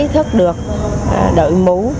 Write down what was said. ý thức được đợi mũ